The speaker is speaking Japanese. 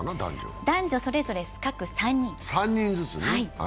男女それぞれ各３人です。